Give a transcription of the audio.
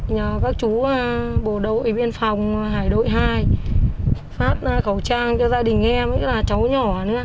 nhờ các chú bộ đội biên phòng hải đội hai phát khẩu trang cho gia đình em là cháu nhỏ nữa